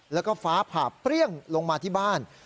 แล้วก็ฟ้าผ่าเปรี้ยงลงมาที่บ้าน